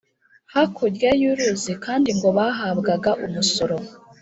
Hakurya y uruzi kandi ngo bahabwaga umusoro